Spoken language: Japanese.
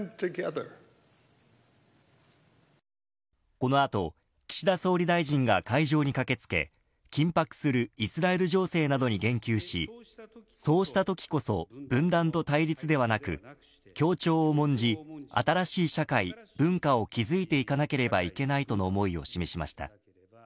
この後、岸田総理大臣が会場に駆け付け緊迫するイスラエル情勢などに言及しそうしたときこそ分断と対立ではなく協調を重んじ新しい社会、文化を築いていかなければいけないとの思いを示しました。